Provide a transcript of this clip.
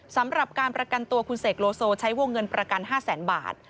สำหรับการประกันตัวคุณเสกโลโซใช้วงเงินประกัน๕แสนบาท